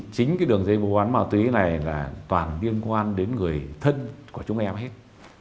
chính cái đường dây vụ án màu tí này là toàn liên quan đến người thân của chúng em hết